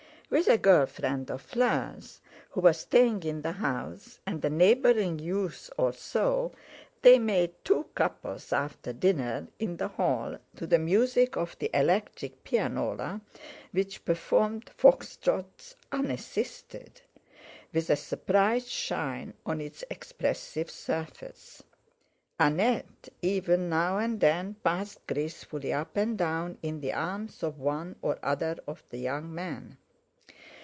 With a girl friend of Fleur's who was staying in the house, and a neighbouring youth or so, they made two couples after dinner, in the hall, to the music of the electric pianola, which performed Fox trots unassisted, with a surprised shine on its expressive surface. Annette, even, now and then passed gracefully up and down in the arms of one or other of the young men.